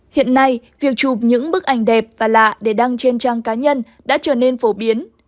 hiện nay việc chụp những bức ảnh đẹp và lạ để đăng trên trang cá nhân đã trở nên phổ biến